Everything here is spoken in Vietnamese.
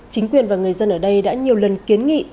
chính quyền và người dân ở đây đã nhiều lần kiến nghị